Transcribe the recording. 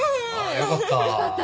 よかった。